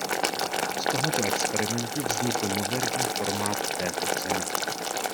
Z tohoto experimentu vznikl moderní formát této ceny.